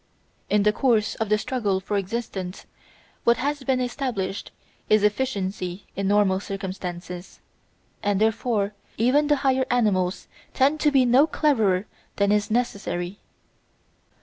In the course of the struggle for existence what has been established is efficiency in normal circumstances, and therefore even the higher animals tend to be no cleverer than is necessary.